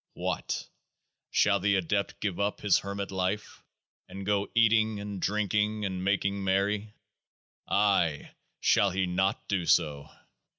What ! shall the Adept give up his hermit life, and go eating and drinking and making merry? Ay ! shall he not do so?